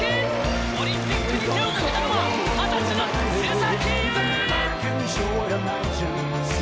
オリンピックに手をかけたのは二十歳の須崎優衣！